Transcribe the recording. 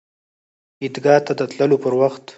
عیدګاه ته د تللو پر وخت